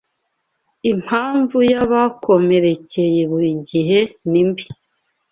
Impamvu yabakomereye burigihe nimbi